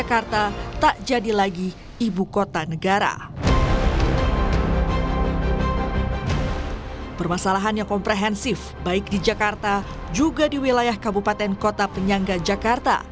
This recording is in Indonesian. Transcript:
jakarta permasalahan yang komprehensif baik di jakarta juga di wilayah kabupaten kota penyangga jakarta